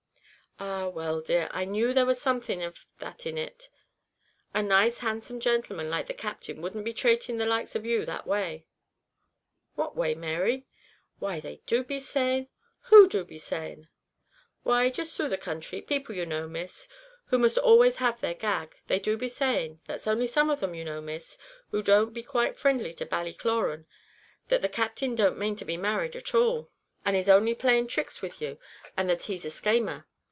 "Ah! well dear, I knew there was something av that in it, and a nice handsome gentleman like the Captain wouldn't be trating the likes of you that way." "What way, Mary?" "Why they do be saying " "Who do be saying?" "Why, jist through the counthry, people you know, Miss, who must always have their gag; they do be saying that's only some of them you know, Miss, who don't be quite frindly to Ballycloran that the Captain don't main to be married at all, and is only playing his tricks with you, and that he's a schamer.